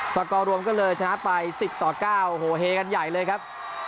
สกรรวมก็เลยชนะไปสิบต่อเก้าโหเฮกันใหญ่เลยครับ